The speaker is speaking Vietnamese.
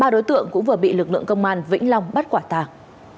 ba đối tượng cũng vừa bị lực lượng công an vĩnh long bắt quả tàng